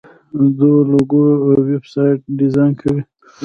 دوی لوګو او ویب سایټ ډیزاین کوي.